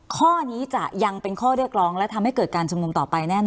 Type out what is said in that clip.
ข้อนี้จะยังเป็นข้อเรียกร้องและทำให้เกิดการชุมนุมต่อไปแน่น